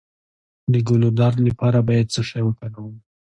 د ګلو درد لپاره باید څه شی وکاروم؟